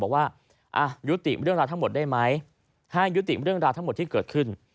บอกว่ายุติเรื่องราวทั้งหมดได้ไหมให้ยุติเรื่องราวทั้งหมดที่เกิดขึ้น